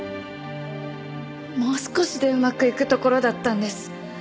もう少しでうまくいくところだったんです。